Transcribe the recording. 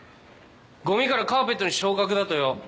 ゴミからカーペットに昇格だとよ。